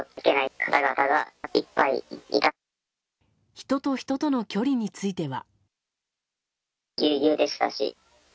人と人との距離については。